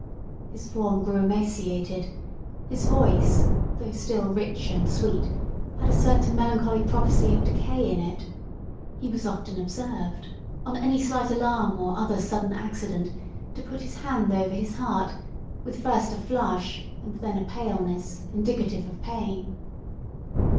His form grew emaciated; his voice, though still rich and sweet, had a certain melancholy prophecy of decay in it; he was often observed, on any slight alarm or other sudden accident, to put his hand over his heart with first a flush and then a paleness, indicative of pain.